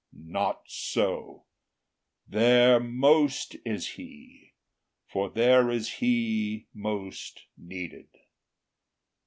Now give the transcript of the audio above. Not so: there most is He, for there is He Most needed.